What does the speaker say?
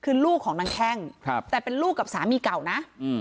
คือลูกของนางแข้งแต่เป็นลูกกับสามีเก่านะ